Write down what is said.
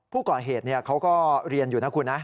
ผู้ก่อเหตุเนี่ยเขาก็เรียนอยู่นะครับคุณนะ